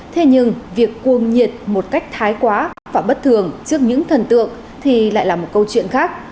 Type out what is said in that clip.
thế nhưng việc cuồng nhiệt một cách thái quá và bất thường trước những thần tượng thì lại là một câu chuyện khác